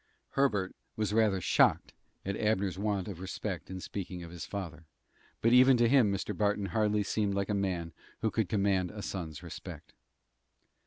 Herbert was rather shocked at Abner's want of respect in speaking of his father, but even to him Mr. Barton hardly seemed like a man who could command a son's respect.